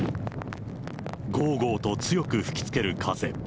ごうごうと強く吹きつける風。